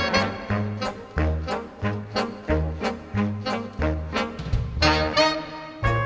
เมนูไข่เมนูไข่อร่อยแท้อยากกิน